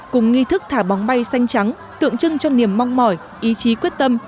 cùng nghi thức thả bóng bay xanh trắng tượng trưng cho niềm mong mỏi ý chí quyết tâm